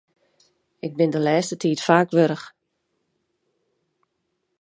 Ik bin de lêste tiid faak warch.